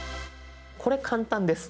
これ簡単です。